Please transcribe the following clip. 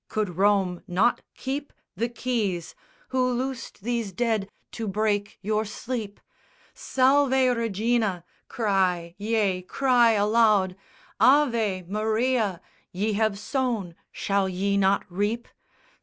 Could Rome not keep The keys? Who loosed these dead to break your sleep? SALVE REGINA, cry, yea, cry aloud. AVE MARIA! Ye have sown: shall ye not reap?